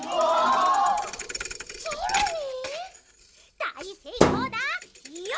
「あっ！チョロミー！」。